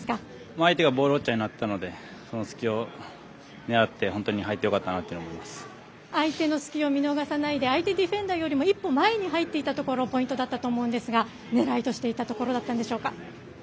相手がボールウォッチャーになったのでその隙を狙って本当に入ってよかったなと相手の隙を見逃さないで相手ディフェンダーよりも一歩前に入っていたところがポイントだったと思うんですが狙いとしていたところだったんでしょうか？